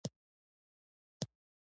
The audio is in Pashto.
د ننګ يوسفزۍ مشر زوی